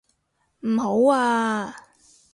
唔好啊！